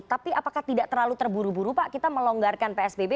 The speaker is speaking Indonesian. tapi apakah tidak terlalu terburu buru pak kita melonggarkan psbb